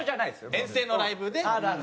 遠征のライブで。